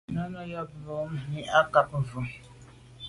Náná à’ cǎk mùní mɛ́n ǐ á càk vwá.